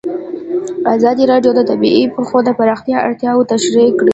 ازادي راډیو د طبیعي پېښې د پراختیا اړتیاوې تشریح کړي.